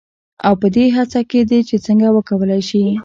او پـه دې هـڅـه کې دي چـې څـنـګه وکـولـى شـي.